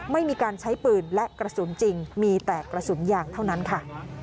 ไม่มีการใช้ปืนและกระสุนจริงมีแต่กระสุนยางเท่านั้นค่ะ